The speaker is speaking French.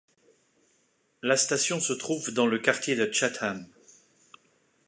La station se trouve dans le quartier de Chatham.